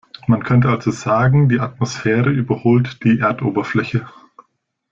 Man könnte also sagen, die Atmosphäre überholt die Erdoberfläche.